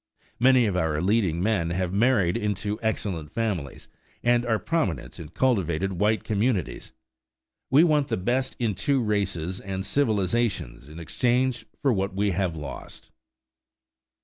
Many of our leading men have married into excellent families and are prominent in cultivated white communities. We want the best in two races and civilizations in exchange for what we have lost.